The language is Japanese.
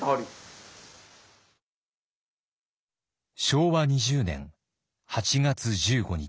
昭和２０年８月１５日。